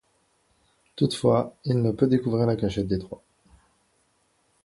Toutefois, il ne peut découvrir la cachette des Trois.